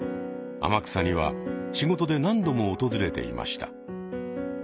天草には仕事で何度も訪れていました。